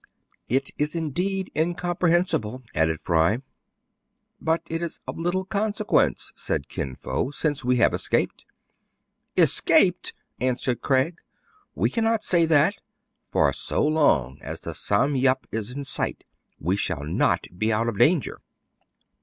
" It is indeed incomprehensible," added Fry. " But it is of little consequence," said Kin Fo, "since we have escaped." " Escaped !" answered Craig. " We cannot say that ; for, so long as the " Sam Yep " is in sight, we shall not be out of danger."